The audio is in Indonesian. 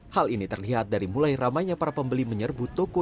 hal ini terlihat dari mulai ramainya para pembeli menyerbu toko